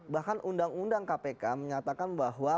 bahkan undang undang kpk menyatakan bahwa